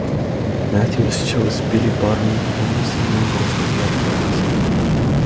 Matthews chose Billie Barnum to be missing member of the Blackberries.